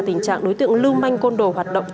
tình trạng đối tượng lưu manh côn đồ hoạt động